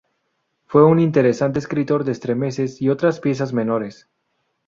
Fue un interesante escritor de entremeses y otras piezas menores.